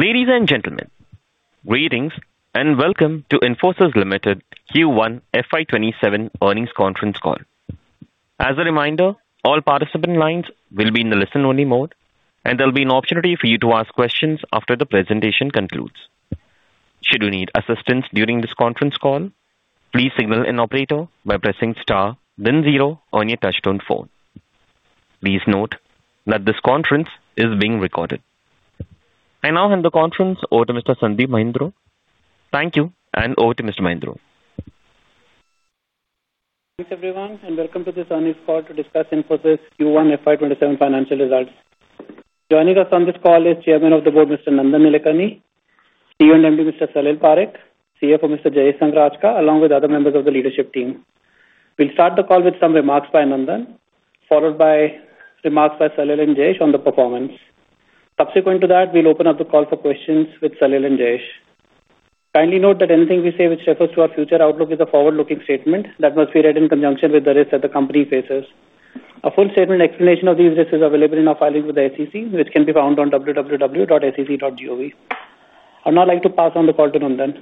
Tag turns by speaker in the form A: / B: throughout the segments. A: Ladies and gentlemen, greetings and welcome to Infosys Limited Q1 FY 2027 earnings conference call. As a reminder, all participant lines will be in the listen only mode, and there'll be an opportunity for you to ask questions after the presentation concludes. Should you need assistance during this conference call, please signal an operator by pressing star then zero on your touchtone phone. Please note that this conference is being recorded. I now hand the conference over to Mr. Sandeep Mahindroo. Thank you, and over to Mr. Mahindroo.
B: Thanks everyone. Welcome to this earnings call to discuss Infosys Q1 FY 2027 financial results. Joining us on this call is Chairman of the Board, Mr. Nandan Nilekani, CEO and MD, Mr. Salil Parekh, CFO, Mr. Jayesh Sanghrajka, along with other members of the leadership team. We'll start the call with some remarks by Nandan, followed by remarks by Salil and Jayesh on the performance. Subsequent to that, we'll open up the call for questions with Salil and Jayesh. Kindly note that anything we say which refers to our future outlook is a forward-looking statement that must be read in conjunction with the risks that the company faces. A full statement explanation of these risks is available in our filing with the SEC, which can be found on www.sec.gov. I'd now like to pass on the call to Nandan.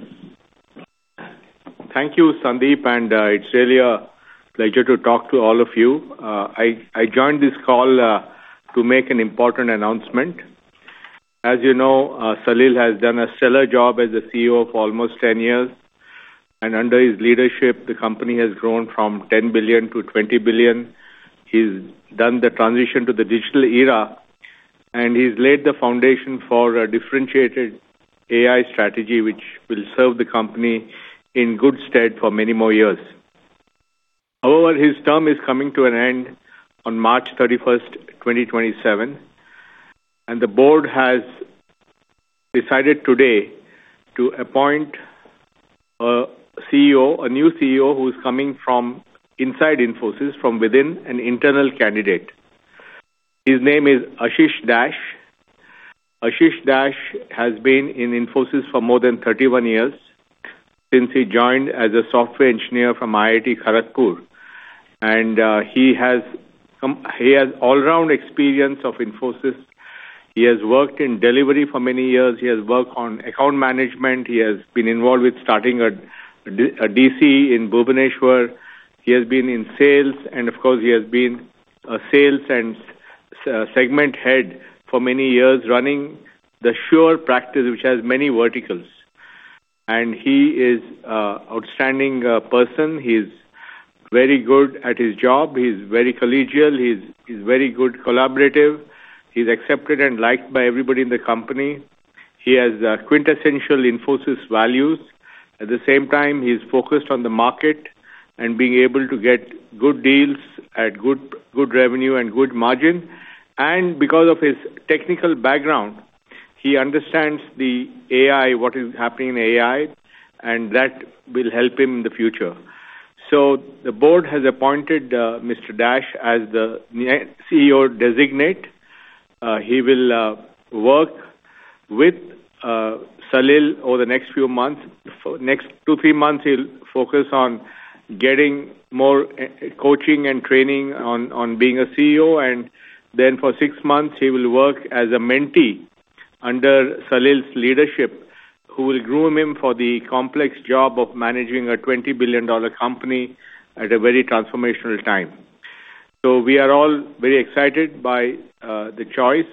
C: Thank you, Sandeep. It's really a pleasure to talk to all of you. I joined this call to make an important announcement. As you know, Salil has done a stellar job as the CEO for almost 10 years, and under his leadership, the company has grown from $10 billion-$20 billion. He's done the transition to the digital era, and he's laid the foundation for a differentiated AI strategy, which will serve the company in good stead for many more years. However, his term is coming to an end on March 31st, 2027, and the board has decided today to appoint a new CEO who's coming from inside Infosys, from within, an internal candidate. His name is Ashiss Dash. Ashiss Dash has been in Infosys for more than 31 years, since he joined as a software engineer from IIT Kharagpur. He has all-round experience of Infosys. He has worked in delivery for many years. He has worked on account management. He has been involved with starting a DC in Bhubaneswar. He has been in sales. Of course, he has been a sales and segment head for many years, running the sure practice, which has many verticals. He is a outstanding person. He's very good at his job. He's very collegial. He's very good collaborative. He's accepted and liked by everybody in the company. He has quintessential Infosys values. At the same time, he's focused on the market and being able to get good deals at good revenue and good margin. Because of his technical background, he understands the AI, what is happening in AI, and that will help him in the future. The board has appointed Mr. Dash as the CEO Designate. He will work with Salil over the next few months. For next two, three months, he'll focus on getting more coaching and training on being a CEO. For six months, he will work as a mentee under Salil's leadership, who will groom him for the complex job of managing a $20 billion company at a very transformational time. We are all very excited by the choice.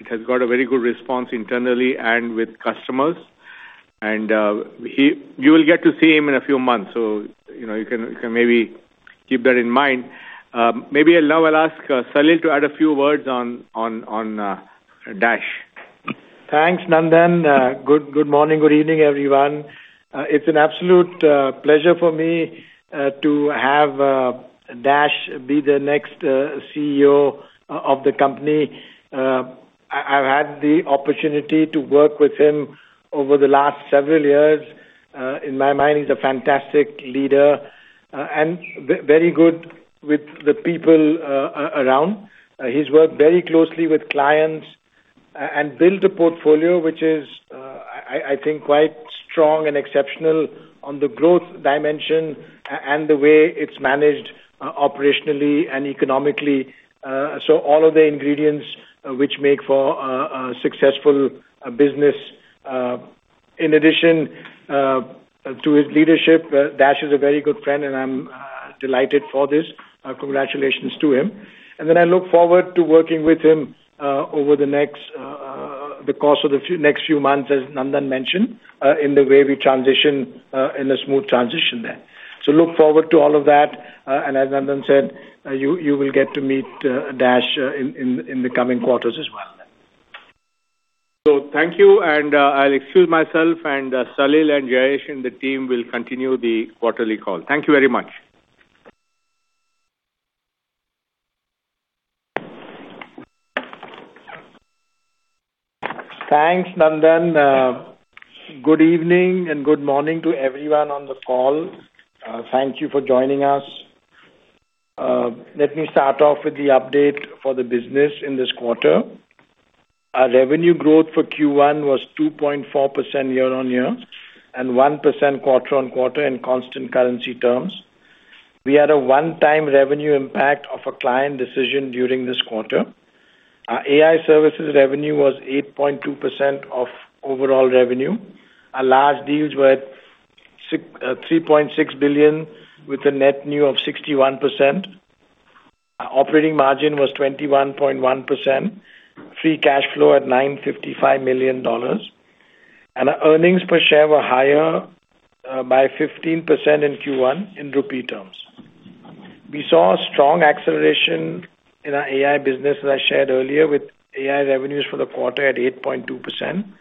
C: It has got a very good response internally and with customers. You will get to see him in a few months. You can maybe keep that in mind. Maybe now I'll ask Salil to add a few words on Dash.
D: Thanks, Nandan. Good morning. Good evening, everyone. It's an absolute pleasure for me to have Dash be the next CEO of the company. I've had the opportunity to work with him over the last several years. In my mind, he's a fantastic leader and very good with the people around. He's worked very closely with clients and built a portfolio which is, I think, quite strong and exceptional on the growth dimension and the way it's managed operationally and economically. All of the ingredients which make for a successful business. In addition to his leadership, Dash is a very good friend, and I'm delighted for this. Congratulations to him. I look forward to working with him over the course of the next few months, as Nandan mentioned, in the way we transition, in a smooth transition there. Look forward to all of that.
B: As Nandan said, you will get to meet Dash in the coming quarters as well then.
C: Thank you, I'll excuse myself and Salil and Jayesh and the team will continue the quarterly call. Thank you very much.
D: Thanks, Nandan. Good evening and good morning to everyone on the call. Thank you for joining us. Let me start off with the update for the business in this quarter. Our revenue growth for Q1 was 2.4% year-on-year and 1% QoQ in constant currency terms. We had a one-time revenue impact of a client decision during this quarter. Our AI services revenue was 8.2% of overall revenue. Our large deals were at $3.6 billion with a net new of 61%. Our operating margin was 21.1%, free cash flow at $955 million. Our earnings per share were higher by 15% in Q1 in INR terms. We saw a strong acceleration in our AI business, as I shared earlier, with AI revenues for the quarter at 8.2%.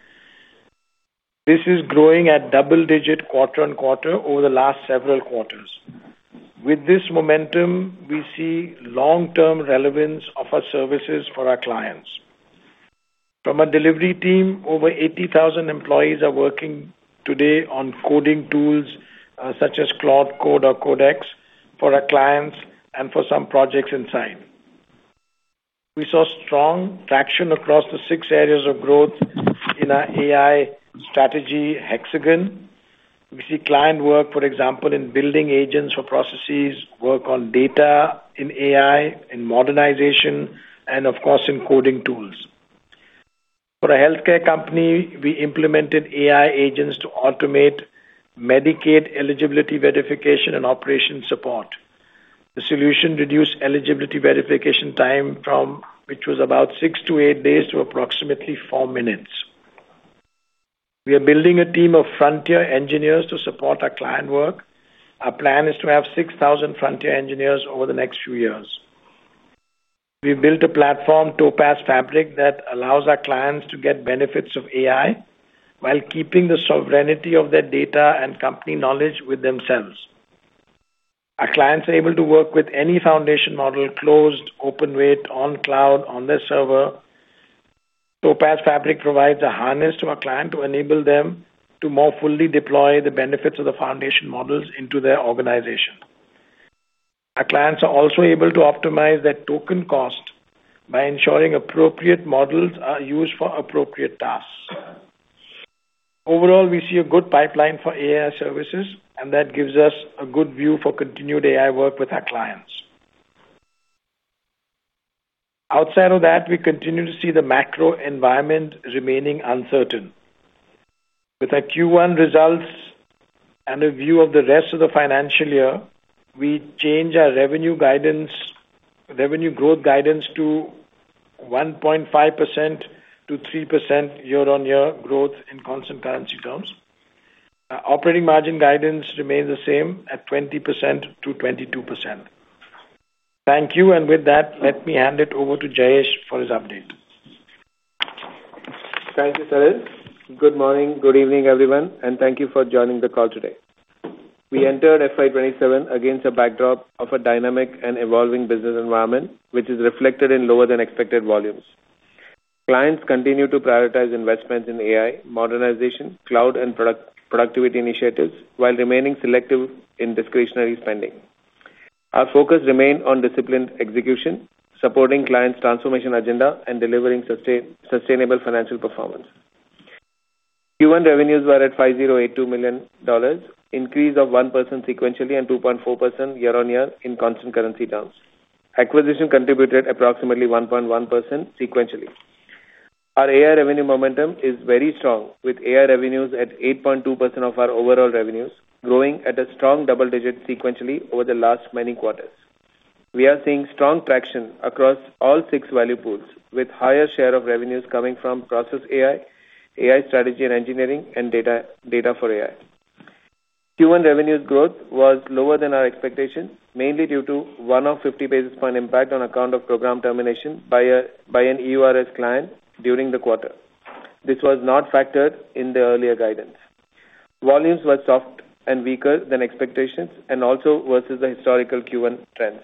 D: This is growing at double-digit QoQ over the last several quarters. With this momentum, we see long-term relevance of our services for our clients. From our delivery team, over 80,000 employees are working today on coding tools, such as Claude Code or Codex for our clients and for some projects inside. We saw strong traction across the six areas of growth in our AI strategy hexagon. We see client work, for example, in building agents for processes, work on data in AI, in modernization, and of course, in coding tools. For a healthcare company, we implemented AI agents to automate Medicaid eligibility verification and operation support. The solution reduced eligibility verification time from, which was about six to eight days to approximately four minutes. We are building a team of frontier engineers to support our client work. Our plan is to have 6,000 frontier engineers over the next few years. We built a platform, Topaz Fabric, that allows our clients to get benefits of AI while keeping the sovereignty of their data and company knowledge with themselves. Our clients are able to work with any foundation model, closed, open weight, on cloud, on their server. Topaz Fabric provides a harness to our client to enable them to more fully deploy the benefits of the foundation models into their organization. Our clients are also able to optimize their token cost by ensuring appropriate models are used for appropriate tasks. Overall, we see a good pipeline for AI services, that gives us a good view for continued AI work with our clients. Outside of that, we continue to see the macro environment remaining uncertain. With our Q1 results and a view of the rest of the financial year, we change our revenue growth guidance to 1.5%-3% YoY growth in constant currency terms. Our operating margin guidance remains the same at 20%-22%. Thank you. With that, let me hand it over to Jayesh for his update.
E: Thank you, Salil. Good morning, good evening, everyone, and thank you for joining the call today. We entered FY 2027 against a backdrop of a dynamic and evolving business environment, which is reflected in lower than expected volumes. Clients continue to prioritize investments in AI, modernization, cloud, and productivity initiatives while remaining selective in discretionary spending. Our focus remained on disciplined execution, supporting clients' transformation agenda, and delivering sustainable financial performance. Q1 revenues were at $5,082 million, increase of 1% sequentially and 2.4% YoY in constant currency terms. Acquisition contributed approximately 1.1% sequentially. Our AI revenue momentum is very strong with AI revenues at 8.2% of our overall revenues, growing at a strong double digit sequentially over the last many quarters. We are seeing strong traction across all six value pools with higher share of revenues coming from process AI strategy and engineering, and data for AI. Q1 revenues growth was lower than our expectations, mainly due to one-off 50 basis point impact on account of program termination by an EURS client during the quarter. This was not factored in the earlier guidance. Volumes were soft and weaker than expectations and also versus the historical Q1 trends.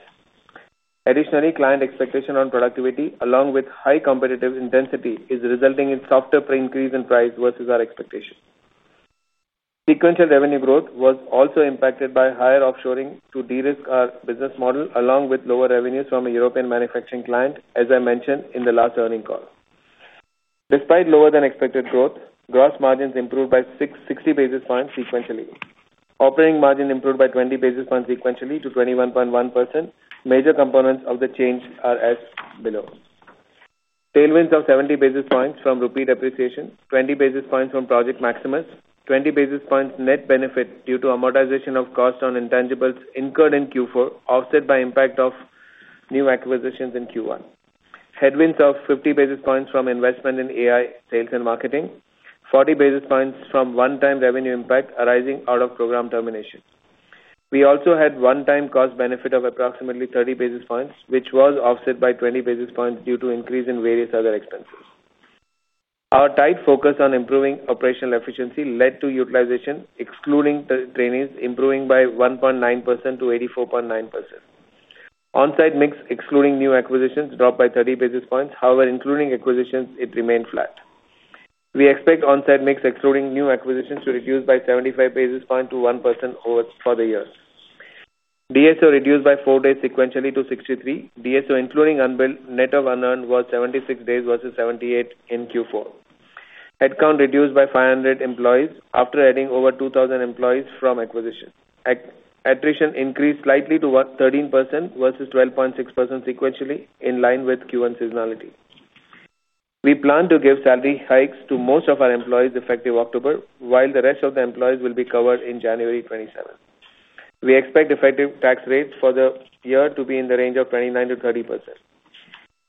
E: Additionally, client expectation on productivity along with high competitive intensity is resulting in softer price increase and price versus our expectation. Sequential revenue growth was also impacted by higher offshoring to de-risk our business model along with lower revenues from a European manufacturing client, as I mentioned in the last earning call. Despite lower than expected growth, gross margins improved by 60 basis points sequentially. Operating margin improved by 20 basis points sequentially to 21.1%. Major components of the change are as below. Tailwinds of 70 basis points from rupee depreciation, 20 basis points from Project Maximus, 20 basis points net benefit due to amortization of cost on intangibles incurred in Q4, offset by impact of new acquisitions in Q1. Headwinds of 50 basis points from investment in AI sales and marketing, 40 basis points from one-time revenue impact arising out of program termination. We also had one-time cost benefit of approximately 30 basis points, which was offset by 20 basis points due to increase in various other expenses. Our tight focus on improving operational efficiency led to utilization, excluding trainees, improving by 1.9%-84.9%. On-site mix, excluding new acquisitions, dropped by 30 basis points. However, including acquisitions, it remained flat. We expect on-site mix excluding new acquisitions to reduce by 75 basis points to 1% for the year. DSO reduced by four days sequentially to 63. DSO, including unbilled net of unearned, was 76 days versus 78 in Q4. Headcount reduced by 500 employees after adding over 2,000 employees from acquisition. Attrition increased slightly to 13% versus 12.6% sequentially, in line with Q1 seasonality. We plan to give salary hikes to most of our employees effective October, while the rest of the employees will be covered in January 2027. We expect effective tax rates for the year to be in the range of 29%-30%.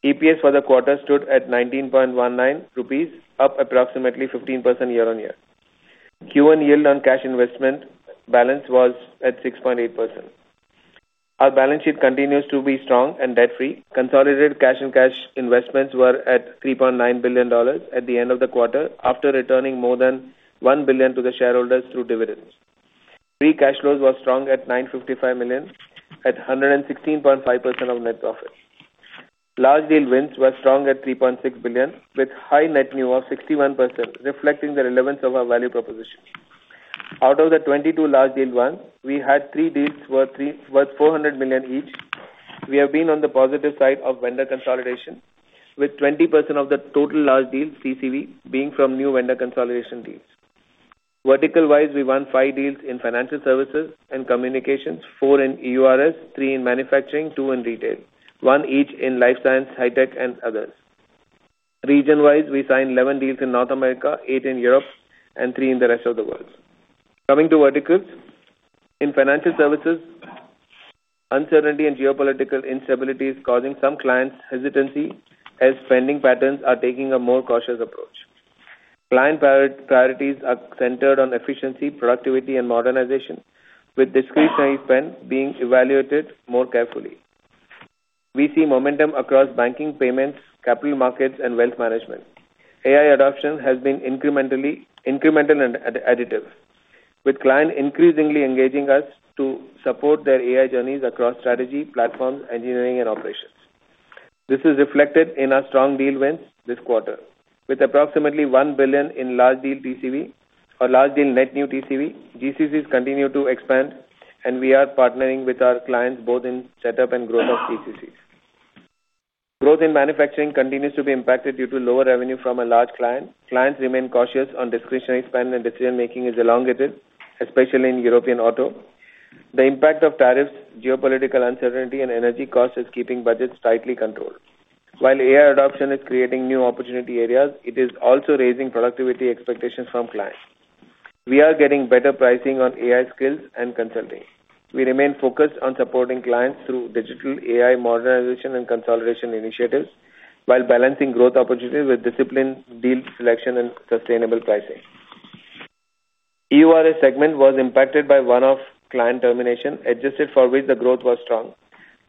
E: EPS for the quarter stood at 19.19 rupees, up approximately 15% year-on-year. Q1 yield on cash investment balance was at 6.8%. Our balance sheet continues to be strong and debt-free. Consolidated cash and cash investments were at $3.9 billion at the end of the quarter, after returning more than $1 billion to the shareholders through dividends. Free cash flow was strong at $955 million, at 116.5% of net profit. Large deal wins were strong at $3.6 billion, with high net new of 61%, reflecting the relevance of our value proposition. Out of the 22 large deals won, we had three deals worth $400 million each. We have been on the positive side of vendor consolidation, with 20% of the total large deals TCV being from new vendor consolidation deals. Vertical-wise, we won five deals in financial services and communications, four in EURS, three in manufacturing, two in retail. One each in life science, high tech, and others. Region-wise, we signed 11 deals in North America, eight in Europe and three in the rest of the world. Coming to verticals. In financial services, uncertainty and geopolitical instability is causing some clients hesitancy as spending patterns are taking a more cautious approach. Client priorities are centered on efficiency, productivity, and modernization, with discretionary spend being evaluated more carefully. We see momentum across banking payments, capital markets and wealth management. AI adoption has been incremental and additive, with clients increasingly engaging us to support their AI journeys across strategy, platforms, engineering and operations. This is reflected in our strong deal wins this quarter, with approximately $1 billion in large deal TCV or large deal net new TCV. GCCs continue to expand and we are partnering with our clients both in set up and growth of GCCs. Growth in manufacturing continues to be impacted due to lower revenue from a large client. Clients remain cautious on discretionary spend and decision-making is elongated, especially in European auto. The impact of tariffs, geopolitical uncertainty and energy costs is keeping budgets tightly controlled. While AI adoption is creating new opportunity areas, it is also raising productivity expectations from clients. We are getting better pricing on AI skills and consulting. We remain focused on supporting clients through digital AI modernization and consolidation initiatives while balancing growth opportunities with disciplined deal selection and sustainable pricing. EURS segment was impacted by one-off client termination, adjusted for which the growth was strong.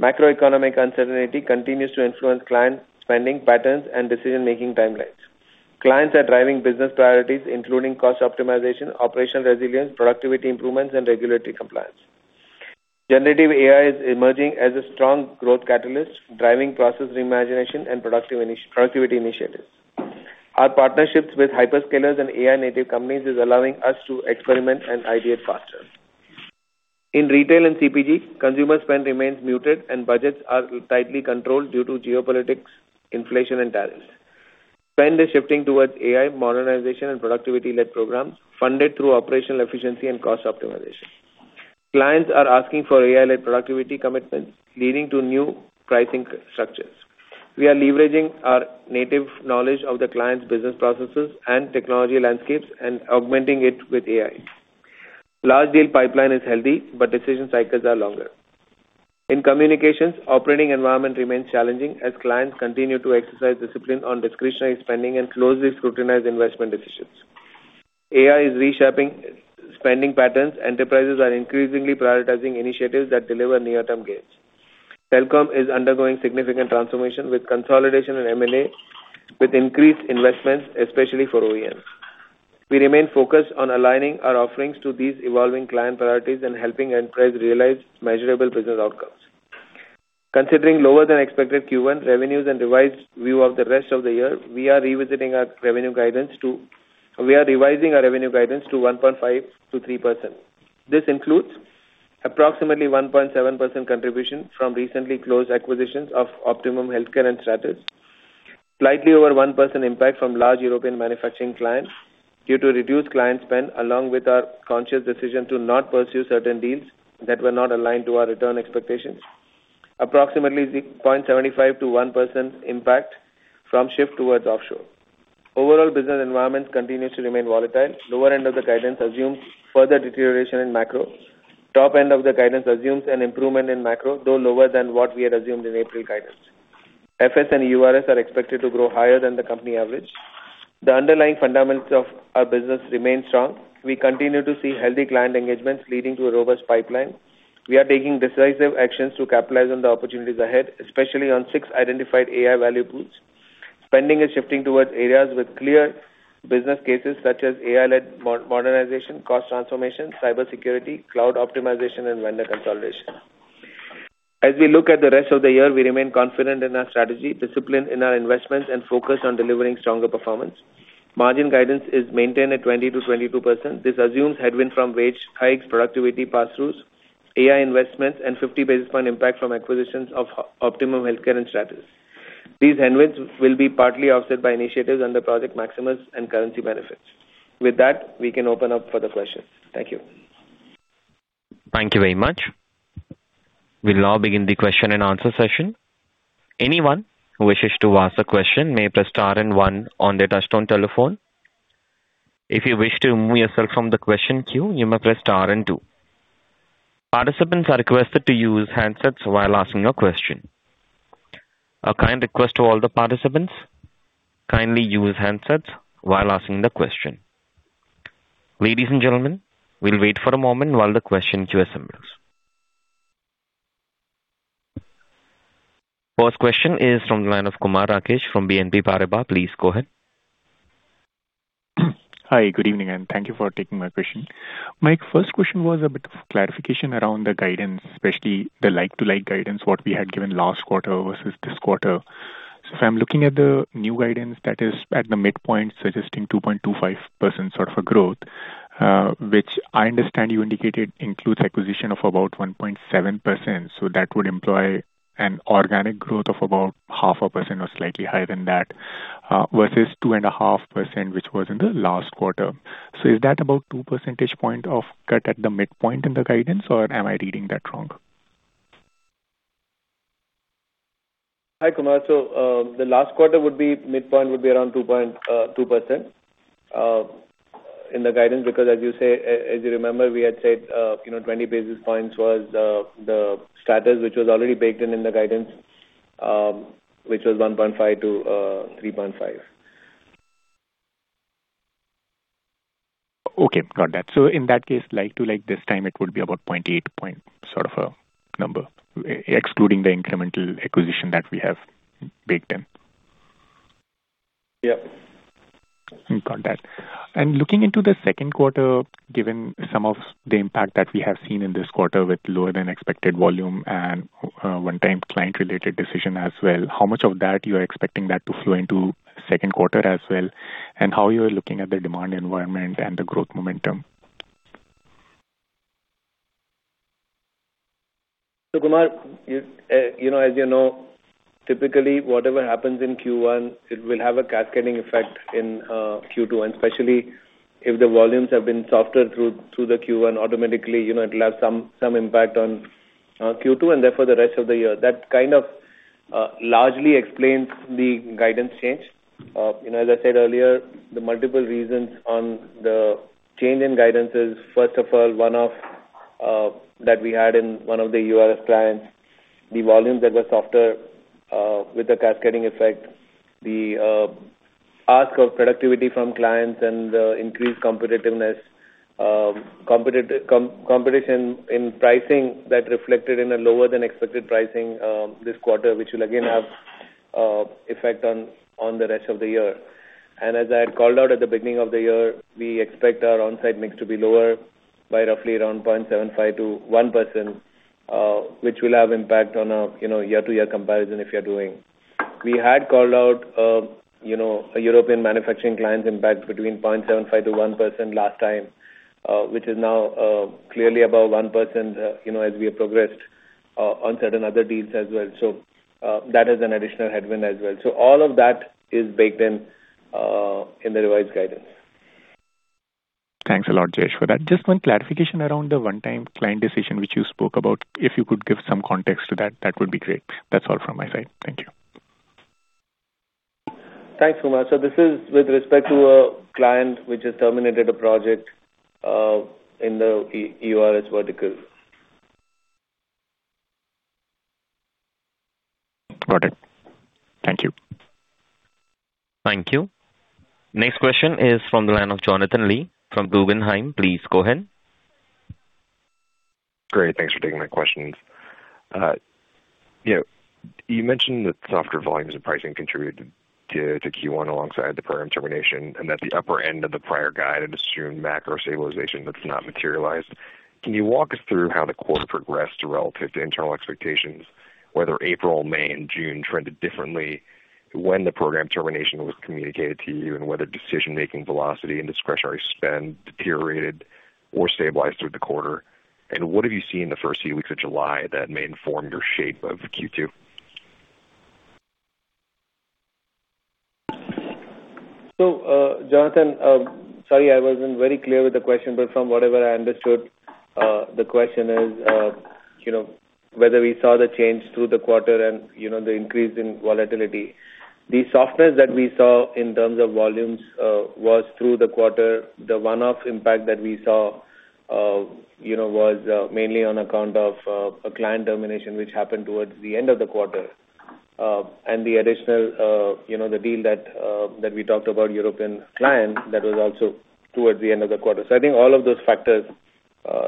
E: Macroeconomic uncertainty continues to influence client spending patterns and decision-making timelines. Clients are driving business priorities including cost optimization, operational resilience, productivity improvements and regulatory compliance. Generative AI is emerging as a strong growth catalyst, driving process reimagination and productivity initiatives. Our partnerships with hyperscalers and AI native companies is allowing us to experiment and ideate faster. In retail and CPG, consumer spend remains muted and budgets are tightly controlled due to geopolitics, inflation and tariffs. Spend is shifting towards AI modernization and productivity-led programs funded through operational efficiency and cost optimization. Clients are asking for AI-led productivity commitments, leading to new pricing structures. We are leveraging our native knowledge of the client's business processes and technology landscapes and augmenting it with AI. Large deal pipeline is healthy, but decision cycles are longer. In communications, operating environment remains challenging as clients continue to exercise discipline on discretionary spending and closely scrutinize investment decisions. AI is reshaping spending patterns. Enterprises are increasingly prioritizing initiatives that deliver near-term gains. Telecom is undergoing significant transformation with consolidation and M&A, with increased investments, especially for OEMs. We remain focused on aligning our offerings to these evolving client priorities and helping enterprise realize measurable business outcomes. Considering lower than expected Q1 revenues and revised view of the rest of the year, we are revising our revenue guidance to 1.5%-3%. This includes approximately 1.7% contribution from recently closed acquisitions of Optimum Healthcare and Stratus. Slightly over 1% impact from large European manufacturing clients due to reduced client spend, along with our conscious decision to not pursue certain deals that were not aligned to our return expectations. Approximately 0.75%-1% impact from shift towards offshore. Overall business environment continues to remain volatile. Lower end of the guidance assumes further deterioration in macro. Top end of the guidance assumes an improvement in macro, though lower than what we had assumed in April guidance. FS and URS are expected to grow higher than the company average. The underlying fundamentals of our business remain strong. We continue to see healthy client engagements leading to a robust pipeline. We are taking decisive actions to capitalize on the opportunities ahead, especially on six identified AI value pools. Spending is shifting towards areas with clear business cases such as AI-led modernization, cost transformation, cybersecurity, cloud optimization and vendor consolidation. As we look at the rest of the year, we remain confident in our strategy, disciplined in our investments and focused on delivering stronger performance. Margin guidance is maintained at 20%-22%. This assumes headwind from wage hikes, productivity pass-throughs AI investments and 50 basis point impact from acquisitions of Optimum Healthcare and Stratus. These headwinds will be partly offset by initiatives under Project Maximus and currency benefits. With that, we can open up for the questions. Thank you.
A: Thank you very much. We'll now begin the question and answer session. Anyone who wishes to ask a question may press star and one on their touch-tone telephone. If you wish to remove yourself from the question queue, you may press star and two. Participants are requested to use handsets while asking a question. A kind request to all the participants, kindly use handsets while asking the question. Ladies and gentlemen, we'll wait for a moment while the question queue assembles. First question is from the line of Kumar Rakesh from BNP Paribas. Please go ahead.
F: Hi. Good evening, and thank you for taking my question. My first question was a bit of clarification around the guidance, especially the like-to-like guidance, what we had given last quarter versus this quarter. So if I'm looking at the new guidance that is at the midpoint suggesting 2.25% sort of a growth, which I understand you indicated includes acquisition of about 1.7%. So that would imply an organic growth of about half a percent or slightly higher than that, versus 2.5%, which was in the last quarter. So is that about two percentage point of cut at the midpoint in the guidance, or am I reading that wrong?
E: Hi, Kumar. The last quarter midpoint would be around 2.2% in the guidance, because as you remember, we had said 20 basis points was the Stratus, which was already baked in in the guidance, which was 1.5%-3.5%.
F: Okay, got that. In that case, like to like this time it would be about 0.8 point sort of a number, excluding the incremental acquisition that we have baked in.
E: Yep.
F: Got that. Looking into the second quarter, given some of the impact that we have seen in this quarter with lower than expected volume and one-time client-related decision as well, how much of that you are expecting that to flow into second quarter as well? How you are looking at the demand environment and the growth momentum?
E: Kumar, as you know, typically whatever happens in Q1, it'll have a cascading effect in Q2, and especially if the volumes have been softer through the Q1, automatically it'll have some impact on Q2 and therefore the rest of the year. That kind of largely explains the guidance change. As I said earlier, the multiple reasons on the change in guidance is, first of all, one-off that we had in one of the URS clients, the volumes that were softer with the cascading effect, the ask of productivity from clients and the increased competitiveness. Competition in pricing that reflected in a lower than expected pricing this quarter, which will again have effect on the rest of the year. As I had called out at the beginning of the year, we expect our onsite mix to be lower by roughly around 0.75%-1%, which will have impact on a year-to-year comparison if you're doing. We had called out a European manufacturing client impact between 0.75%-1% last time, which is now clearly above 1% as we have progressed on certain other deals as well. That is an additional headwind as well. All of that is baked in in the revised guidance.
F: Thanks a lot, Jayesh, for that. Just one clarification around the one-time client decision which you spoke about. If you could give some context to that would be great. That's all from my side. Thank you.
E: Thanks, Kumar. This is with respect to a client which has terminated a project in the URS vertical.
F: Got it. Thank you.
A: Thank you. Next question is from the line of Jonathan Lee from Guggenheim. Please go ahead.
G: Great. Thanks for taking my questions. You mentioned that softer volumes and pricing contributed to Q1 alongside the program termination and that the upper end of the prior guide assumed macro stabilization that's not materialized. Can you walk us through how the quarter progressed relative to internal expectations, whether April, May, and June trended differently when the program termination was communicated to you, and whether decision-making velocity and discretionary spend deteriorated or stabilized through the quarter? What have you seen in the first few weeks of July that may inform your shape of Q2?
E: Jonathan, sorry I wasn't very clear with the question, but from whatever I understood, the question is whether we saw the change through the quarter and the increase in volatility. The softness that we saw in terms of volumes was through the quarter. The one-off impact that we saw was mainly on account of a client termination which happened towards the end of the quarter. The additional deal that we talked about, European client, that was also towards the end of the quarter. I think all of those factors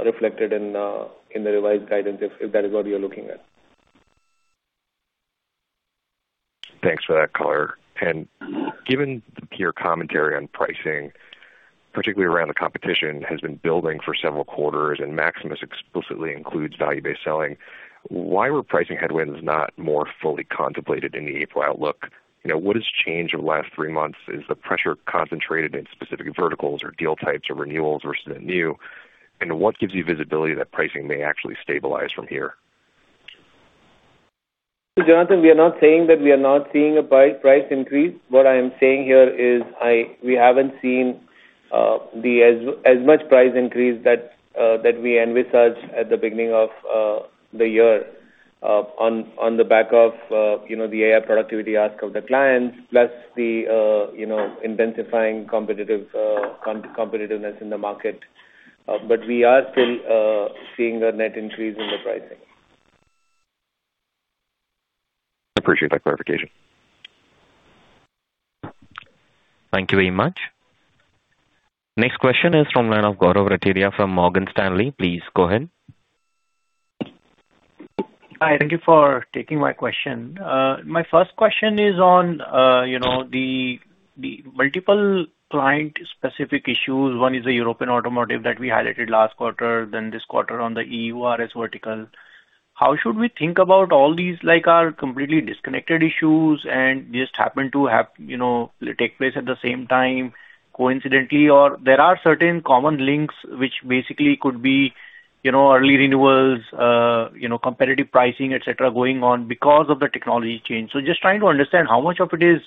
E: reflected in the revised guidance, if that is what you're looking at.
G: Thanks for that color. Given your commentary on pricing, particularly around the competition has been building for several quarters and Maximus explicitly includes value-based selling, why were pricing headwinds not more fully contemplated in the April outlook? What has changed in the last three months? Is the pressure concentrated in specific verticals or deal types or renewals versus the new? What gives you visibility that pricing may actually stabilize from here?
E: Jonathan Lee, we are not saying that we are not seeing a price increase. What I am saying here is we haven't seen as much price increase that we envisaged at the beginning of the year on the back of the AI productivity ask of the clients, plus the intensifying competitiveness in the market. We are still seeing a net increase in the pricing.
G: Appreciate that clarification.
A: Thank you very much. Next question is from the line of Gaurav Rateria from Morgan Stanley. Please go ahead.
H: Hi. Thank you for taking my question. My first question is on the multiple client-specific issues. One is the European automotive that we highlighted last quarter, then this quarter on the EURS vertical. How should we think about all these, like are completely disconnected issues and just happen to take place at the same time coincidentally, or there are certain common links which basically could be early renewals, competitive pricing, et cetera, going on because of the technology change. Just trying to understand how much of it is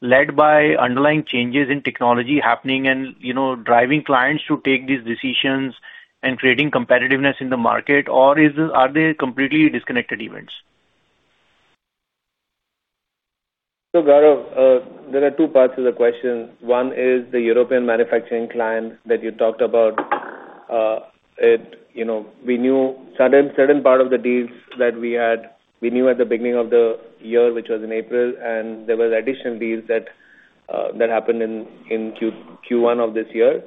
H: led by underlying changes in technology happening and driving clients to take these decisions and creating competitiveness in the market. Or are they completely disconnected events?
E: Gaurav, there are two parts to the question. One is the European manufacturing clients that you talked about. Certain part of the deals that we had, we knew at the beginning of the year, which was in April, and there were additional deals that happened in Q1 of this year.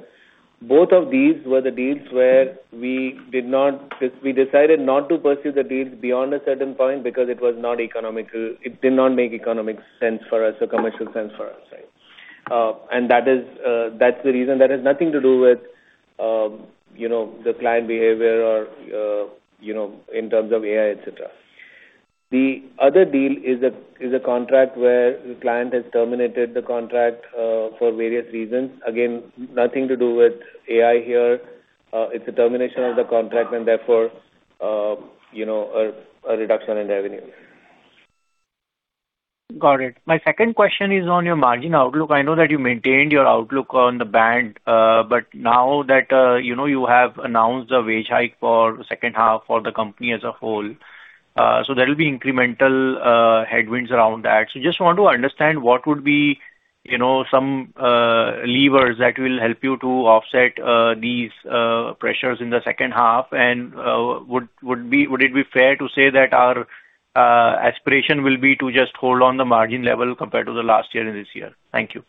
E: Both of these were the deals where we decided not to pursue the deals beyond a certain point because it did not make economic sense for us or commercial sense for us. That's the reason. That has nothing to do with the client behavior or in terms of AI, et cetera. The other deal is a contract where the client has terminated the contract for various reasons. Again, nothing to do with AI here. It's a termination of the contract and therefore, a reduction in revenues.
H: Got it. My second question is on your margin outlook. I know that you maintained your outlook on the band, but now that you have announced the wage hike for the second half for the company as a whole, there will be incremental headwinds around that. Just want to understand what would be some levers that will help you to offset these pressures in the second half. Would it be fair to say that our aspiration will be to just hold on the margin level compared to the last year and this year? Thank you.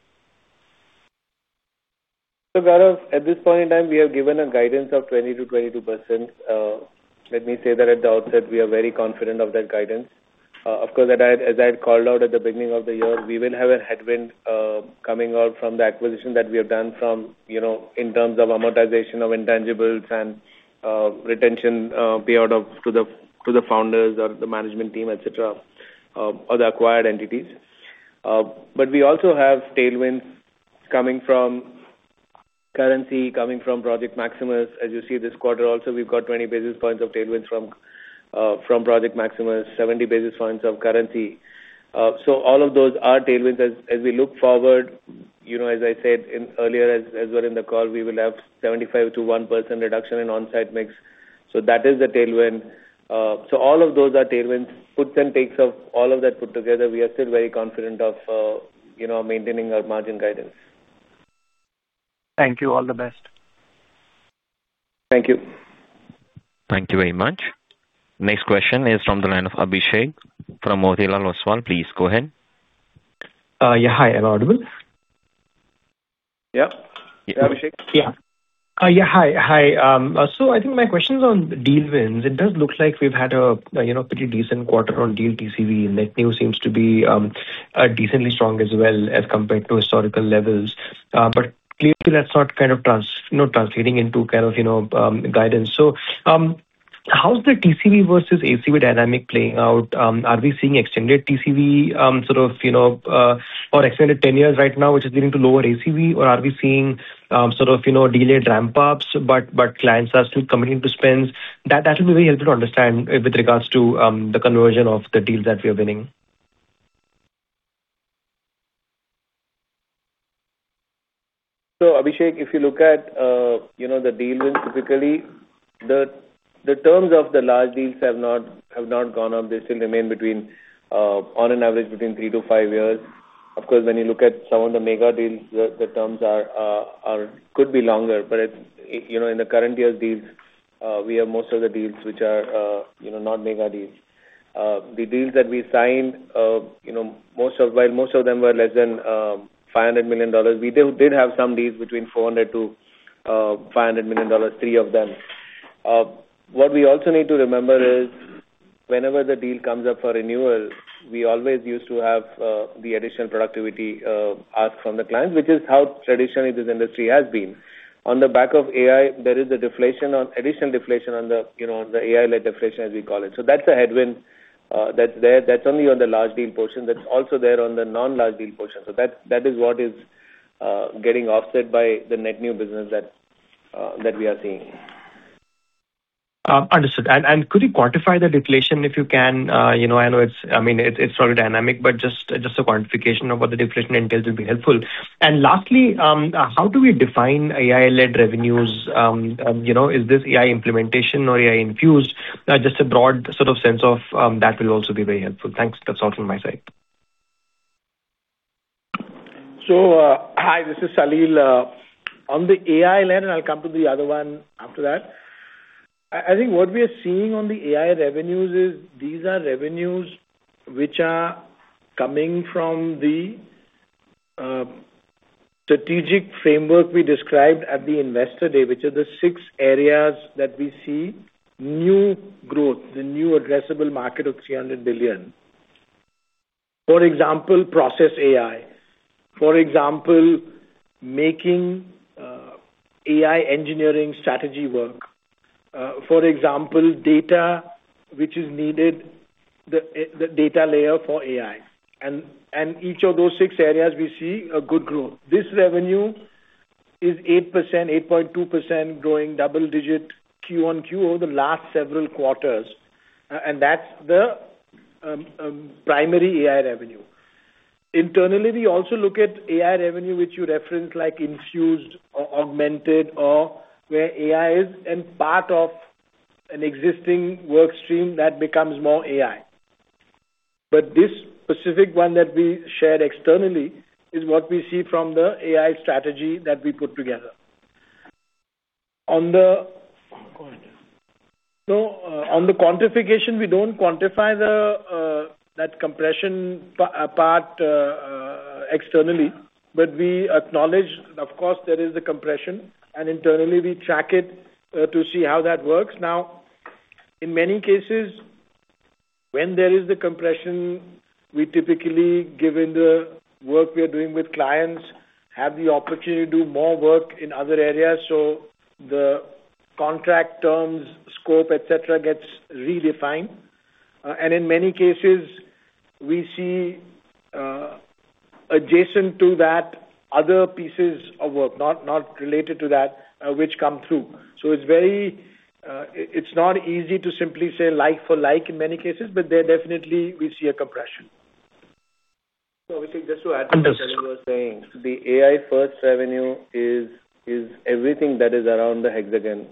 E: Gaurav, at this point in time, we have given a guidance of 20%-22%. Let me say that at the outset, we are very confident of that guidance. Of course, as I had called out at the beginning of the year, we will have a headwind coming out from the acquisition that we have done from, in terms of amortization of intangibles and retention payout to the founders or the management team, et cetera, or the acquired entities. We also have tailwinds coming from currency, coming from Project Maximus. As you see this quarter also, we've got 20 basis points of tailwind from Project Maximus, 70 basis points of currency. All of those are tailwinds. As we look forward, as I said earlier, as we're in the call, we will have 0.75%-1% reduction in onsite mix. That is the tailwind all of those are tailwinds puts and takes of all of that put together, we are still very confident of maintaining our margin guidance.
H: Thank you. All the best.
E: Thank you.
A: Thank you very much. Next question is from the line of Abhishek from Motilal Oswal. Please go ahead.
I: Yeah. Hi, am I audible?
E: Yeah. Abhishek?
I: Yeah. Yeah. Hi. I think my question is on deal wins. It does look like we've had a pretty decent quarter on deal TCV. Net new seems to be decently strong as well as compared to historical levels. Clearly that's not translating into guidance. How's the TCV versus ACV dynamic playing out? Are we seeing extended TCV sort of, or extended tenures right now, which is leading to lower ACV? Or are we seeing sort of delayed ramp-ups, but clients are still committing to spends? That will be very helpful to understand with regards to the conversion of the deals that we are winning.
E: Abhishek, if you look at the deal wins, typically, the terms of the large deals have not gone up. They still remain between, on an average, between three to five years. Of course, when you look at some of the mega deals, the terms could be longer. But in the current year deals, we have most of the deals which are not mega deals. The deals that we signed, while most of them were less than $500 million, we did have some deals between $400 million-$500 million, three of them. What we also need to remember is whenever the deal comes up for renewal, we always used to have the additional productivity ask from the client, which is how traditionally this industry has been. On the back of AI, there is additional deflation on the AI-led deflation, as we call it. That's a headwind that's only on the large deal portion that's also there on the non-large deal portion. That is what is getting offset by the net new business that we are seeing.
I: Understood. Could you quantify the deflation if you can? I know it's sort of dynamic, but just a quantification of what the deflation entails would be helpful. Lastly, how do we define AI-led revenues? Is this AI implementation or AI infused? Just a broad sort of sense of that will also be very helpful. Thanks. That's all from my side.
D: Hi, this is Salil. On the AI lens, I'll come to the other one after that. I think what we are seeing on the AI revenues is these are revenues which are coming from the strategic framework we described at the investor day, which are the six areas that we see new growth, the new addressable market of 300 billion. For example, process AI. For example, making AI engineering strategy work. For example, data which is needed, the data layer for AI. Each of those six areas we see a good growth. This revenue is 8%, 8.2% growing double digit Q1 QO the last several quarters. That's the primary AI revenue. Internally, we also look at AI revenue, which you referenced like infused or augmented or where AI is and part of an existing work stream that becomes more AI. This specific one that we shared externally is what we see from the AI strategy that we put together.
E: Go ahead.
D: No. On the quantification, we don't quantify that compression part externally. We acknowledge, of course, there is a compression, and internally we track it to see how that works. In many cases, when there is the compression, we typically, given the work we are doing with clients, have the opportunity to do more work in other areas, so the contract terms, scope, et cetera, gets redefined. In many cases we see adjacent to that other pieces of work, not related to that, which come through. It's not easy to simply say like for like in many cases, but there definitely we see a compression.
E: Abhishek, just to add to what Salil was saying. The AI first revenue is everything that is around the hexagon.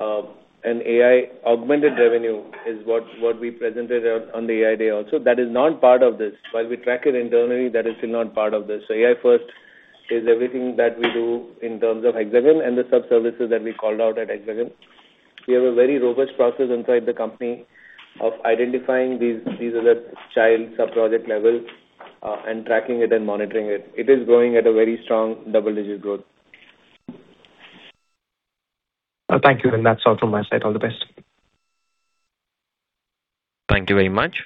E: AI augmented revenue is what we presented on the AI day also. That is not part of this while we track it internally, that is still not part of this. AI first is everything that we do in terms of hexagon and the sub-services that we called out at Hexagon. We have a very robust process inside the company of identifying these at a child sub-project level, and tracking it and monitoring it. It is growing at a very strong double-digit growth.
I: Thank you. That's all from my side. All the best.
A: Thank you very much.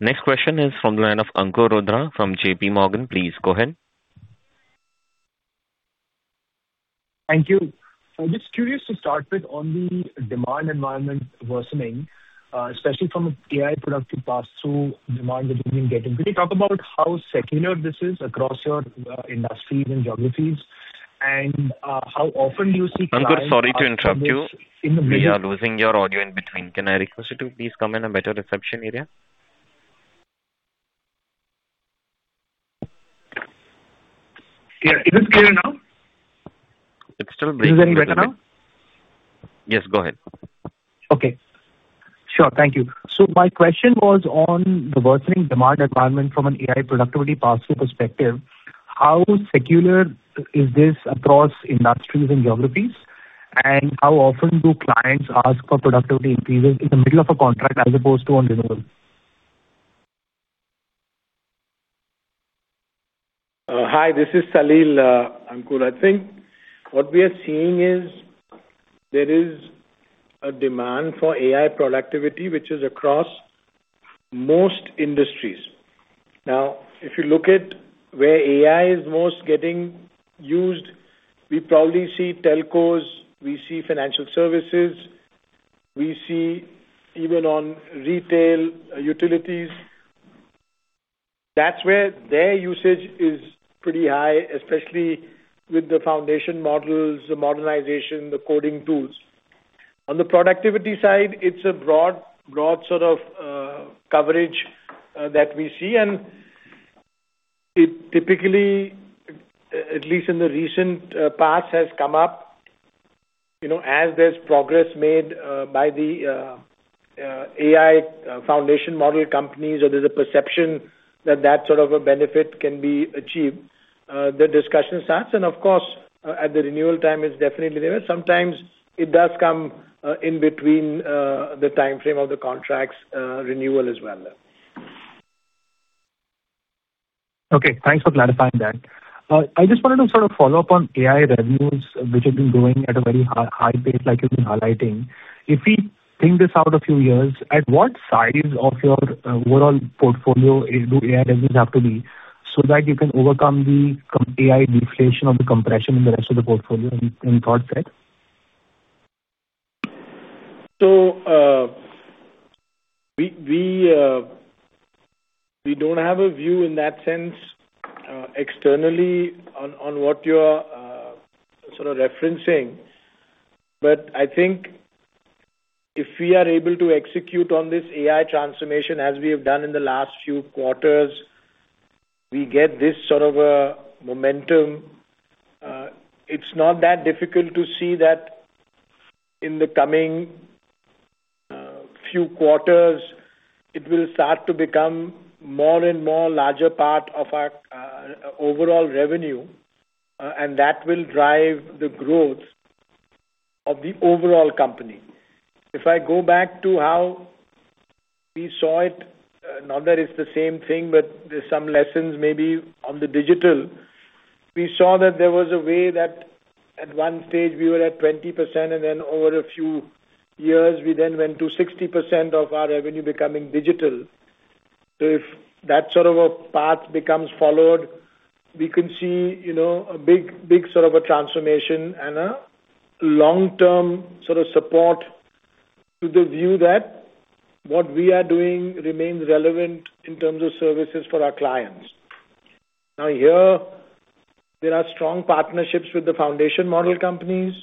A: Next question is from the line of Ankur Rudra from JPMorgan. Please go ahead.
J: Thank you. Just curious to start with on the demand environment worsening, especially from an AI productivity pass-through demand that you've been getting. Could you talk about how secular this is across your industries and geographies, and how often do you see?
A: Ankur, sorry to interrupt you. We are losing your audio in between. Can I request you to please come in a better reception area?
J: Yeah. Is it clear now?
A: It's still breaking.
J: Is it any better now?
A: Yes, go ahead.
J: Okay. Sure. Thank you. My question was on the worsening demand environment from an AI productivity pass-through perspective. How secular is this across industries and geographies, and how often do clients ask for productivity increases in the middle of a contract as opposed to on renewal?
D: Hi, this is Salil. Ankur, I think what we are seeing is there is a demand for AI productivity which is across most industries. Now, if you look at where AI is most getting used, we probably see telcos, we see financial services, we see even on retail utilities. That's where their usage is pretty high, especially with the foundation models, the modernization, the coding tools. On the productivity side, it's a broad sort of coverage that we see. It typically, at least in the recent past, has come up as there's progress made by the AI foundation model companies or there's a perception that sort of a benefit can be achieved. The discussion starts and of course, at the renewal time, it's definitely there. Sometimes it does come in between the timeframe of the contract's renewal as well.
J: Okay. Thanks for clarifying that. I just wanted to sort of follow up on AI revenues, which have been growing at a very high pace like you've been highlighting. If we think this out a few years, at what size of your overall portfolio do AI revenues have to be so that you can overcome the AI deflation or the compression in the rest of the portfolio, any thought there?
D: We don't have a view in that sense, externally on what you're sort of referencing. I think if we are able to execute on this AI transformation as we have done in the last few quarters, we get this sort of a momentum. It's not that difficult to see that in the coming few quarters, it will start to become more and more larger part of our overall revenue, and that will drive the growth of the overall company. If I go back to how we saw it, not that it's the same thing, but there's some lessons maybe on the digital. We saw that there was a way that at one stage we were at 20%, and then over a few years, we then went to 60% of our revenue becoming digital. If that sort of a path becomes followed, we can see a big sort of a transformation and a long-term sort of support to the view that what we are doing remains relevant in terms of services for our clients. Now here, there are strong partnerships with the foundation model companies.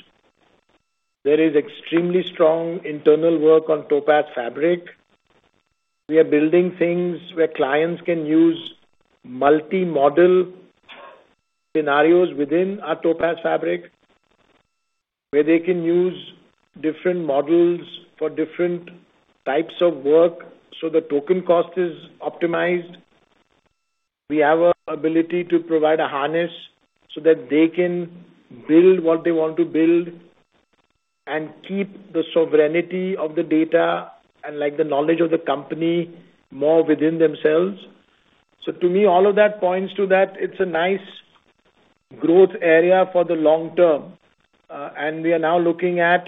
D: There is extremely strong internal work on Topaz Fabric. We are building things where clients can use multi-model scenarios within our Topaz Fabric, where they can use different models for different types of work so the token cost is optimized. We have an ability to provide a harness so that they can build what they want to build and keep the sovereignty of the data and the knowledge of the company more within themselves. To me, all of that points to that it's a nice growth area for the long term. We are now looking at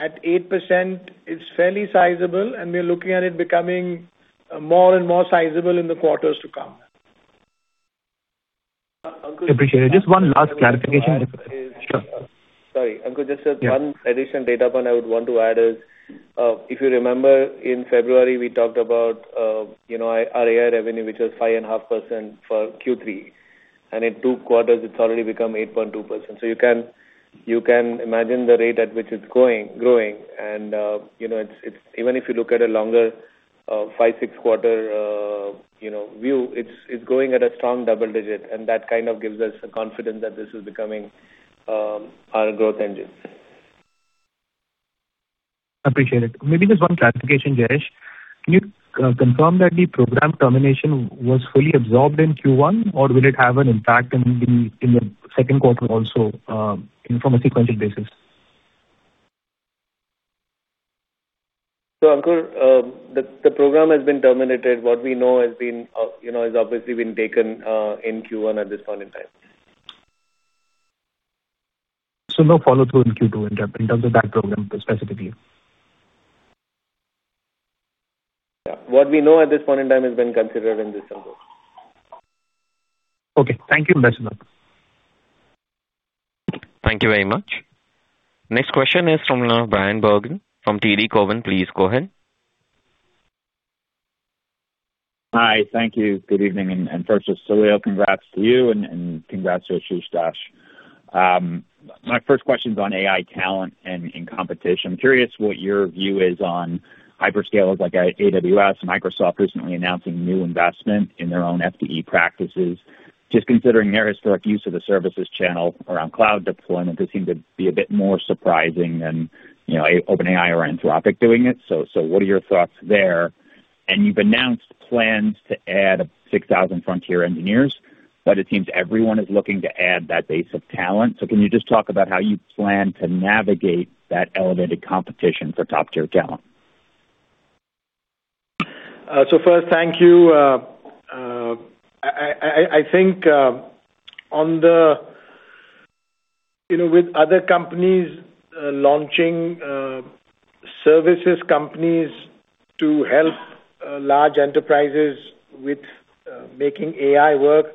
D: 8%, it's fairly sizable, and we are looking at it becoming more and more sizable in the quarters to come.
J: Appreciate it. Just one last clarification.
E: Sorry, Ankur, just one addition data point I would want to add is, if you remember in February, we talked about our AI revenue, which was 5.5% for Q3, and in two quarters it's already become 8.2%. You can imagine the rate at which it's growing. Even if you look at a longer five, six quarter view, it's growing at a strong double digit, and that kind of gives us the confidence that this is becoming our growth engine.
J: Appreciate it. Maybe just one clarification, Jayesh. Can you confirm that the program termination was fully absorbed in Q1, or will it have an impact in the second quarter also from a sequential basis?
E: Ankur, the program has been terminated. What we know has obviously been taken in Q1 at this point in time.
J: No follow-through in Q2 in terms of that program specifically.
E: Yeah. What we know at this point in time has been considered in this number.
J: Okay. Thank you. Best luck.
A: Thank you very much. Next question is from Bryan Bergin from TD Cowen. Please go ahead.
K: Hi. Thank you. Good evening. First of Salil, congrats to you and congrats to Ashiss Dash. My first question is on AI talent and competition. I am curious what your view is on hyperscalers like AWS and Microsoft recently announcing new investment in their own FDE practices. Just considering their historic use of the services channel around cloud deployment, this seemed to be a bit more surprising than OpenAI or Anthropic doing it. What are your thoughts there? You have announced plans to add 6,000 frontier engineers, but it seems everyone is looking to add that base of talent. Can you just talk about how you plan to navigate that elevated competition for top-tier talent?
D: First, thank you. I think with other companies launching services companies to help large enterprises with making AI work.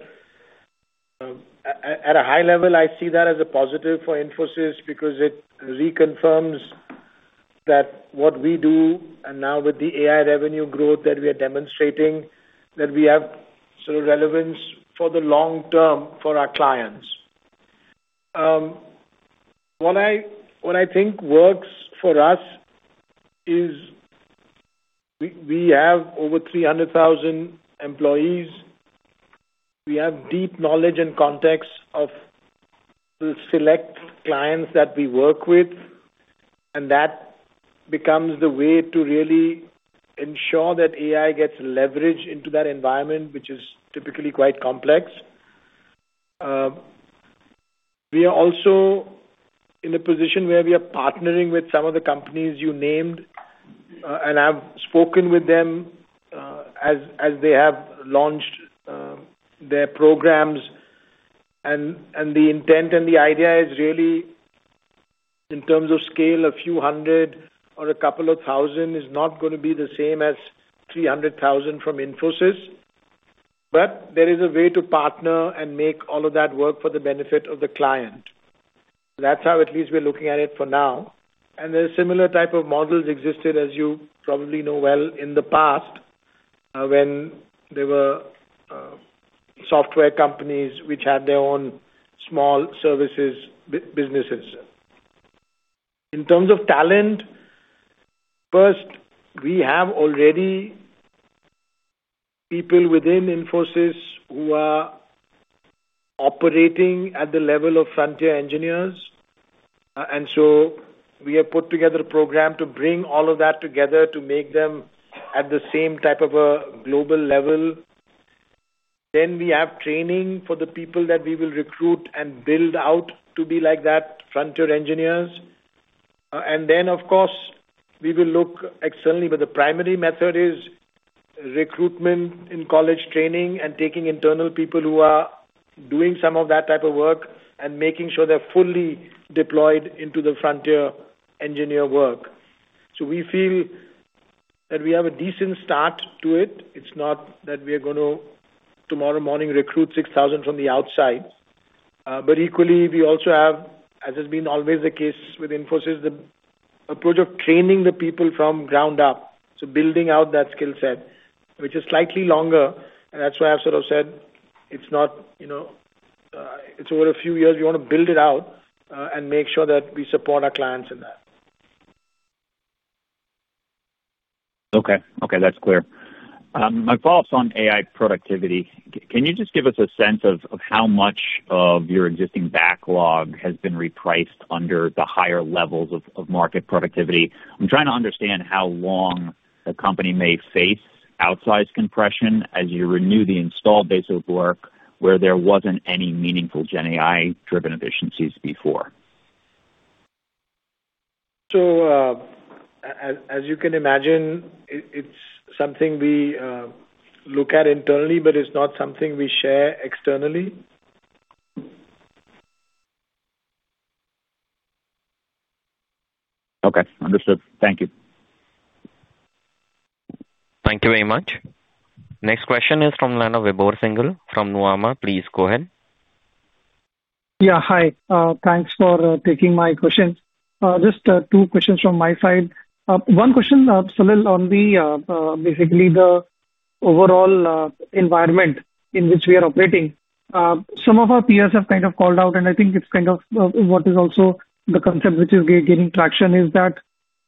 D: At a high level, I see that as a positive for Infosys because it reconfirms that what we do, now with the AI revenue growth that we are demonstrating, that we have sort of relevance for the long term for our clients. What I think works for us is we have over 300,000 employees. We have deep knowledge and context of the select clients that we work with, that becomes the way to really ensure that AI gets leverage into that environment, which is typically quite complex. We are also in a position where we are partnering with some of the companies you named, I have spoken with them as they have launched their programs. The intent and the idea is really in terms of scale, a few hundred or a couple of 1,000 is not going to be the same as 300,000 from Infosys. There is a way to partner and make all of that work for the benefit of the client. That is how at least we are looking at it for now. There are similar type of models existed, as you probably know well, in the past, when there were software companies which had their own small services businesses. In terms of talent, first, we have already people within Infosys who are operating at the level of frontier engineers, we have put together a program to bring all of that together to make them at the same type of a global level. We have training for the people that we will recruit and build out to be like that, frontier engineers. Then, of course, we will look externally, but the primary method is recruitment in college training and taking internal people who are doing some of that type of work and making sure they are fully deployed into the frontier engineer work. We feel that we have a decent start to it. It is not that we are going to, tomorrow morning, recruit 6,000 from the outside. Equally, we also have, as has been always the case with Infosys, the approach of training the people from ground up, building out that skill set, which is slightly longer, that is why I have sort of said it is over a few years. We want to build it out, make sure that we support our clients in that.
K: Okay. That's clear. My follow-up's on AI productivity. Can you just give us a sense of how much of your existing backlog has been repriced under the higher levels of market productivity? I'm trying to understand how long the company may face outsized compression as you renew the installed base of work where there wasn't any meaningful GenAI-driven efficiencies before.
D: As you can imagine, it's something we look at internally, but it's not something we share externally.
K: Okay. Understood. Thank you.
A: Thank you very much. Next question is fromVibhor Singhal from Nuvama. Please go ahead.
L: Yeah. Hi. Thanks for taking my questions. Just two questions from my side. One question, Salil, on the basically the overall environment in which we are operating. Some of our peers have kind of called out, and I think it's kind of what is also the concept which is gaining traction, is that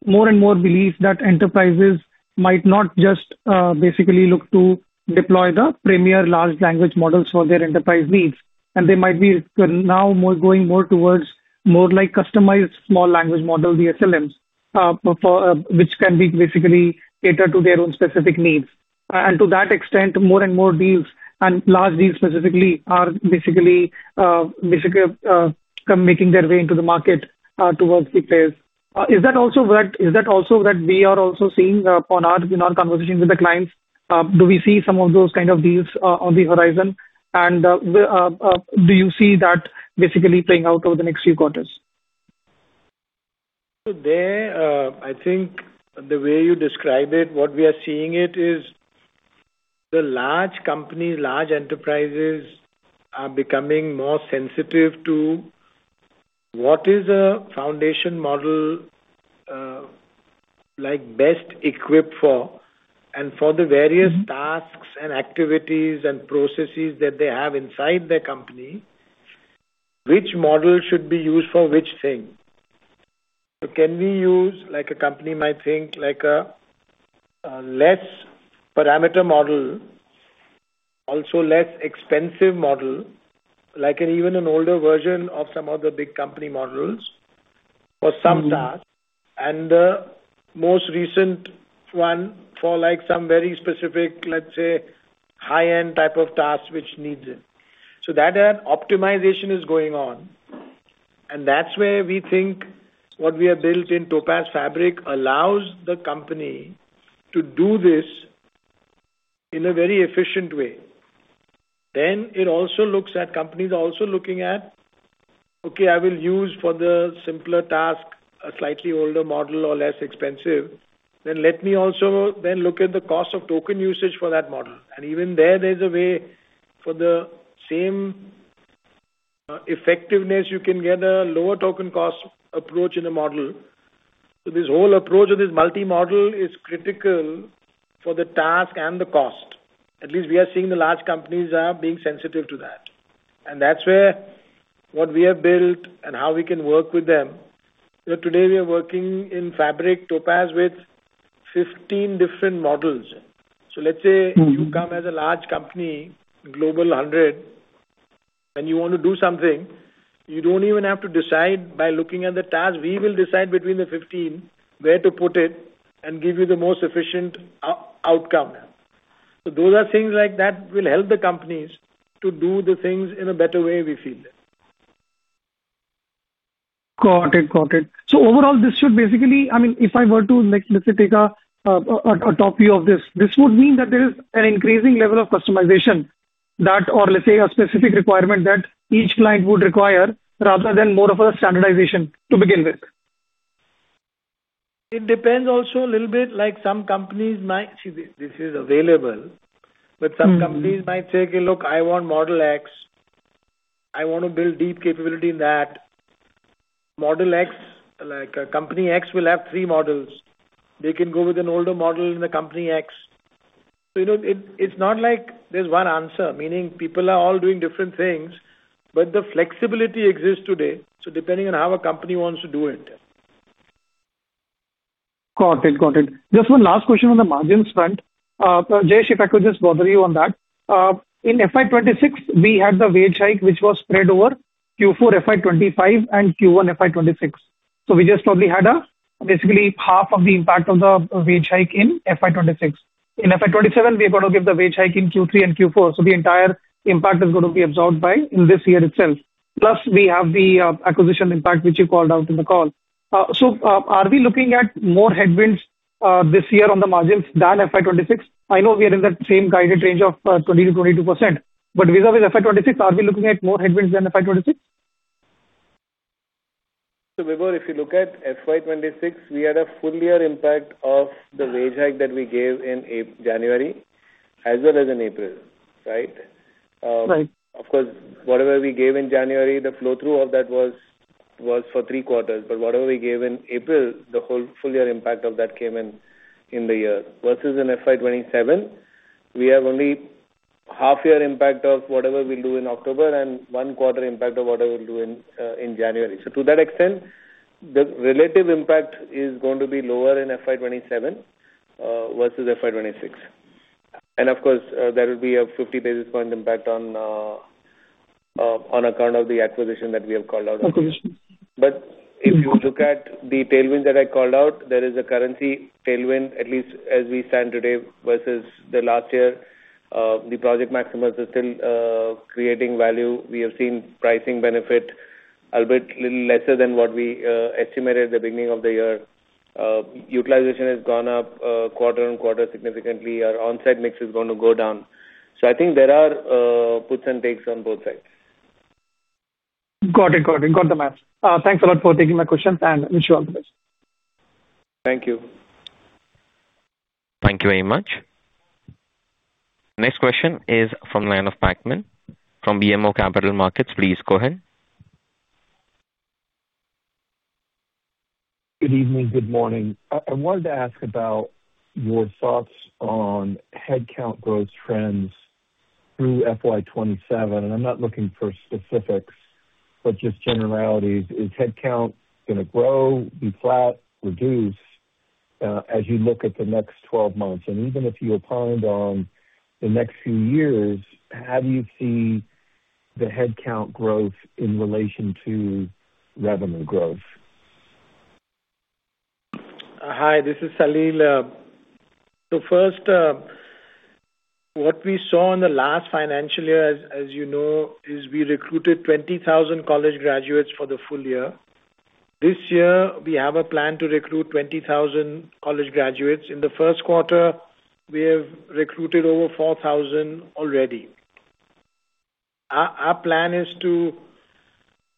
L: more and more belief that enterprises might not just basically look to deploy the premier large language models for their enterprise needs. They might be now going more towards more like customized Small Language Models, the SLMs which can be basically cater to their own specific needs. To that extent, more and more deals and large deals specifically are basically making their way into the market towards the peers. Is that also what we are also seeing in our conversations with the clients? Do we see some of those kind of deals on the horizon? Do you see that basically playing out over the next few quarters?
D: There, I think the way you describe it, what we are seeing it is the large companies, large enterprises, are becoming more sensitive to what is a foundation model like best equipped for, and for the various tasks and activities and processes that they have inside their company, which model should be used for which thing. Can we use, like a company might think, like a less parameter model, also less expensive model, like even an older version of some of the big company models for some tasks, and the most recent one for some very specific, let's say, high-end type of tasks which needs it. That optimization is going on, and that's where we think what we have built in Topaz Fabric allows the company to do this in a very efficient way. It also looks at companies also looking at, okay, I will use for the simpler task, a slightly older model or less expensive. Let me also then look at the cost of token usage for that model. Even there's a way for the same effectiveness you can get a lower token cost approach in a model. This whole approach of this multi-model is critical for the task and the cost. At least we are seeing the large companies are being sensitive to that. That's where what we have built and how we can work with them. Today we are working in Fabric Topaz with 15 different models. Let's say you come as a large company, Global 100, and you want to do something, you don't even have to decide by looking at the task. We will decide between the 15 where to put it and give you the most efficient outcome. Those are things like that will help the companies to do the things in a better way, we feel.
L: Got it. Overall, this should basically, if I were to let's say, take a top view of this would mean that there is an increasing level of customization that, or let's say, a specific requirement that each client would require rather than more of a standardization to begin with.
D: It depends also a little bit like. See, this is available, but some companies might say, "Look, I want Model X. I want to build deep capability in that." Model X, like Company X, will have three models. They can go with an older model in the Company X. It's not like there's one answer, meaning people are all doing different things, but the flexibility exists today, so depending on how a company wants to do it.
L: Got it. Just one last question on the margins front. Jayesh, if I could just bother you on that. In FY 2026, we had the wage hike which was spread over Q4 FY 2025 and Q1 FY 2026. We just probably had basically half of the impact of the wage hike in FY 2026. In FY 2027, we are going to give the wage hike in Q3 and Q4, the entire impact is going to be absorbed in this year itself. Plus, we have the acquisition impact which you called out in the call. Are we looking at more headwinds this year on the margins than FY 2026? I know we are in that same guided range of 20%-22%, but vis-à-vis FY 2026, are we looking at more headwinds than FY 2026?
E: Vibhor, if you look at FY 2026, we had a full year impact of the wage hike that we gave in January as well as in April, right?
L: Right.
E: Of course, whatever we gave in January, the flow-through of that was for three quarters, but whatever we gave in April, the whole full year impact of that came in the year. Versus in FY 2027, we have only half year impact of whatever we'll do in October and one quarter impact of whatever we'll do in January. To that extent, the relative impact is going to be lower in FY 2027 versus FY 2026. Of course, there will be a 50 basis point impact on account of the acquisition that we have called out.
L: Acquisition.
E: If you look at the tailwind that I called out, there is a currency tailwind, at least as we stand today versus the last year. The Project Maximus is still creating value. We have seen pricing benefit a little bit lesser than what we estimated at the beginning of the year. Utilization has gone up quarter-on-quarter significantly. Our onsite mix is going to go down. I think there are puts and takes on both sides.
L: Got it. Got the math. Thanks a lot for taking my questions, wish you all the best.
E: Thank you.
A: Thank you very much. Next question is from Line of [Pacman] from BMO Capital Markets. Please go ahead.
M: Good evening. Good morning. I wanted to ask about your thoughts on headcount growth trends through FY 2027. I am not looking for specifics, but just generalities. Is headcount going to grow, be flat, reduce as you look at the next 12 months? Even if you opine on the next few years, how do you see the headcount growth in relation to revenue growth?
D: Hi, this is Salil. First, what we saw in the last financial year, as you know, is we recruited 20,000 college graduates for the full year. This year we have a plan to recruit 20,000 college graduates. In the first quarter, we have recruited over 4,000 already. Our plan is to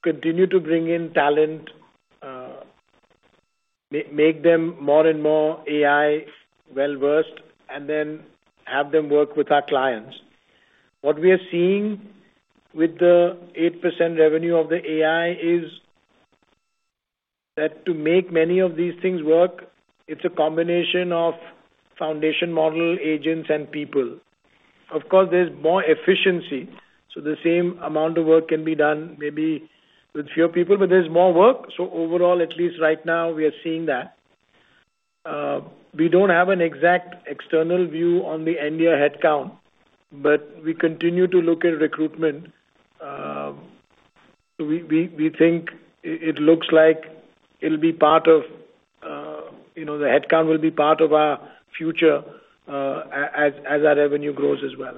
D: continue to bring in talent, make them more and more AI well-versed, then have them work with our clients. What we are seeing with the 8% revenue of the AI is that to make many of these things work, it's a combination of foundation model agents and people. Of course, there's more efficiency, so the same amount of work can be done maybe with fewer people, but there's more work. Overall, at least right now, we are seeing that. We don't have an exact external view on the end year headcount, but we continue to look at recruitment. We think it looks like the headcount will be part of our future as our revenue grows as well.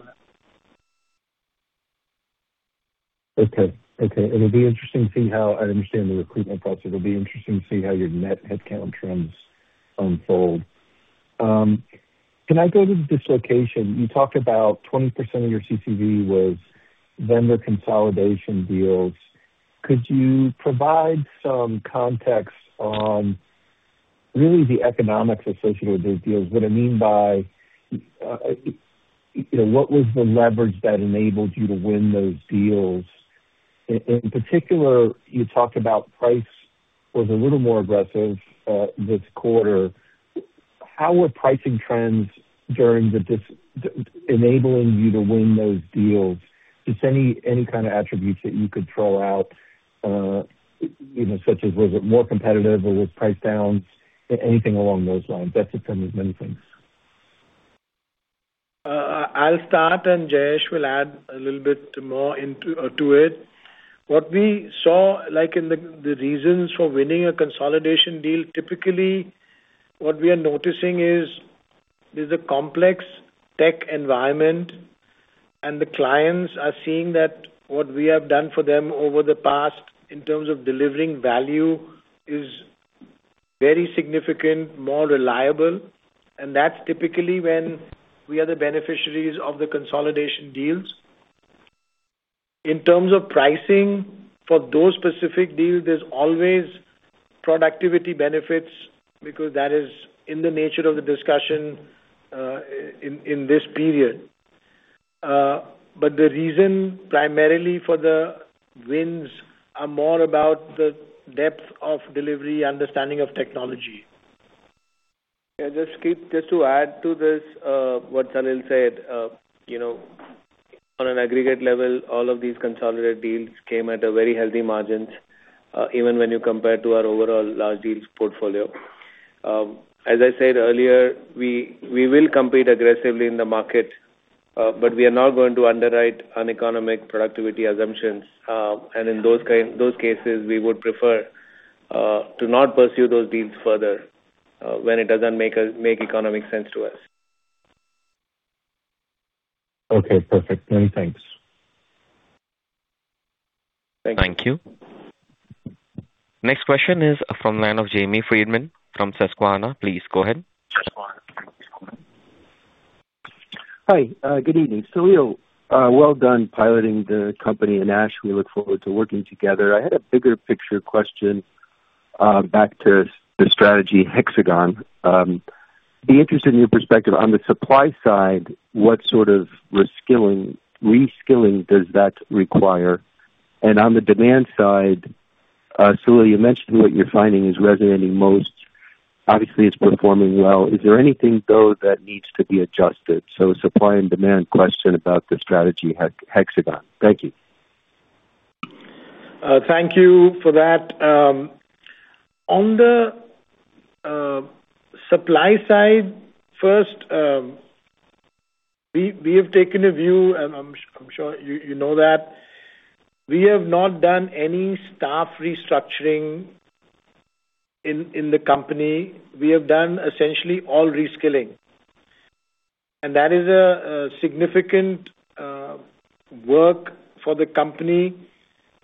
M: Okay. It'll be interesting to see how. I understand the recruitment parts. It'll be interesting to see how your net headcount trends unfold. Can I go to dislocation? You talked about 20% of your TCV was vendor consolidation deals. Could you provide some context on really the economics associated with those deals? What I mean by, what was the leverage that enabled you to win those deals? In particular, you talked about price was a little more aggressive this quarter. How were pricing trends during this enabling you to win those deals? Just any kind of attributes that you could throw out such as was it more competitive or were price downs, anything along those lines that's just one of many things.
D: I'll start. Jayesh will add a little bit more into it. What we saw, like in the reasons for winning a consolidation deal, typically, what we are noticing is there's a complex tech environment. The clients are seeing that what we have done for them over the past in terms of delivering value is very significant, more reliable. That's typically when we are the beneficiaries of the consolidation deals. In terms of pricing for those specific deals, there's always productivity benefits because that is in the nature of the discussion in this period. The reason primarily for the wins are more about the depth of delivery, understanding of technology.
E: Just to add to this, what Salil said. On an aggregate level, all of these consolidated deals came at a very healthy margins, even when you compare to our overall large deals portfolio. As I said earlier, we will compete aggressively in the market, but we are not going to underwrite uneconomic productivity assumptions. In those cases, we would prefer to not pursue those deals further, when it doesn't make economic sense to us.
M: Perfect. Many thanks.
E: Thank you.
A: Thank you. Next question is from line of James Friedman from Susquehanna. Please go ahead.
N: Hi, good evening. Salil, well done piloting the company and Dash, we look forward to working together. I had a bigger picture question, back to the strategy hexagon. Be interested in your perspective on the supply side, what sort of reskilling does that require? On the demand side, Salil, you mentioned what you're finding is resonating most. Obviously, it's performing well. Is there anything though that needs to be adjusted? Supply and demand question about the strategy hexagon. Thank you.
D: Thank you for that. On the supply side first, we have taken a view and I'm sure you know that. We have not done any staff restructuring in the company. We have done essentially all reskilling. That is a significant work for the company,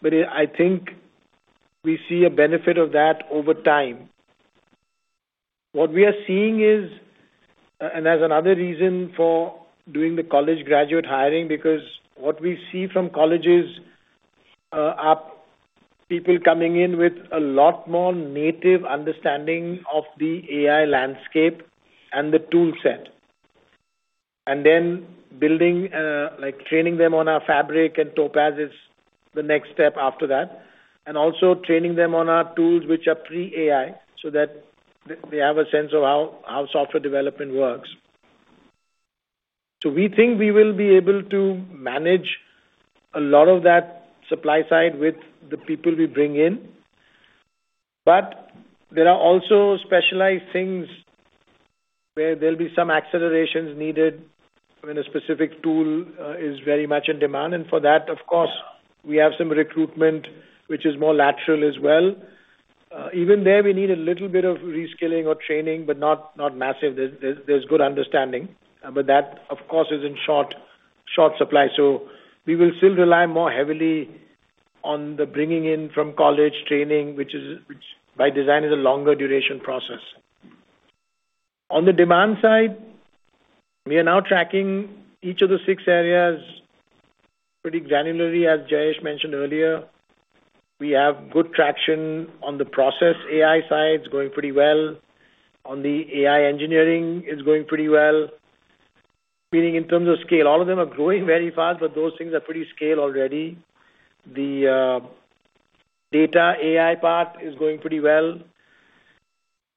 D: but I think we see a benefit of that over time. What we are seeing is, as another reason for doing the college graduate hiring, because what we see from colleges, are people coming in with a lot more native understanding of the AI landscape and the tool set. Then building, like training them on our Fabric and Topaz is the next step after that. Also training them on our tools which are pre-AI, so that they have a sense of how software development works. We think we will be able to manage a lot of that supply side with the people we bring in. There are also specialized things where there'll be some accelerations needed when a specific tool is very much in demand. For that, of course, we have some recruitment which is more lateral as well. Even there, we need a little bit of reskilling or training, but not massive. There's good understanding. That, of course, is in short supply, so we will still rely more heavily on the bringing in from college training, which by design is a longer duration process. On the demand side, we are now tracking each of the six areas pretty granularly. As Jayesh mentioned earlier, we have good traction on the process. AI side's going pretty well. On the AI engineering is going pretty well, meaning in terms of scale. All of them are growing very fast, but those things are pretty scale already. The data AI part is going pretty well.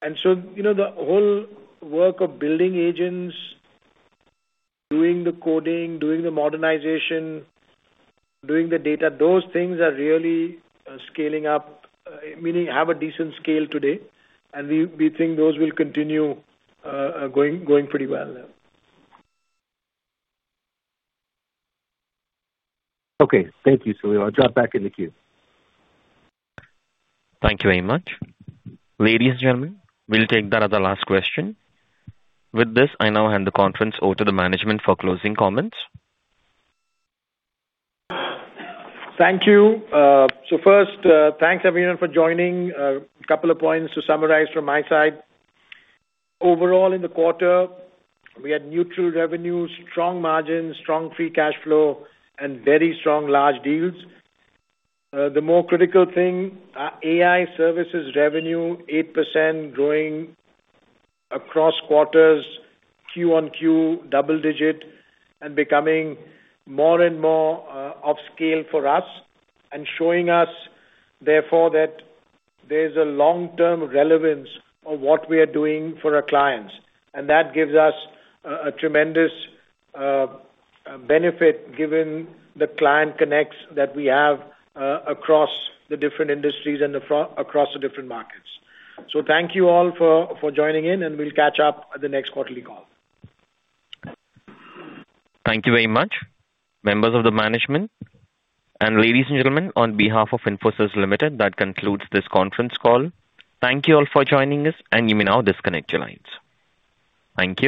D: The whole work of building agents, doing the coding, doing the modernization, doing the data, those things are really scaling up. Meaning have a decent scale today. We think those will continue going pretty well.
N: Okay. Thank you, Salil. I'll drop back in the queue.
A: Thank you very much. Ladies and gentlemen, we'll take that as our last question. I now hand the conference over to the management for closing comments.
D: Thank you. First, thanks everyone for joining. A couple of points to summarize from my side. Overall in the quarter, we had neutral revenues, strong margins, strong free cash flow, and very strong large deals. The more critical thing, our AI services revenue, 8% growing across quarters, Q1 Q, double digit, and becoming more and more upscale for us. Showing us therefore that there's a long-term relevance of what we are doing for our clients. That gives us a tremendous benefit given the client connects that we have across the different industries and across the different markets. Thank you all for joining in and we'll catch up at the next quarterly call.
A: Thank you very much. Members of the management and ladies and gentlemen, on behalf of Infosys Limited, that concludes this conference call. Thank you all for joining us, and you may now disconnect your lines. Thank you.